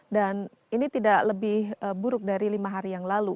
dan ini tidak lebih buruk dari lima hari yang lalu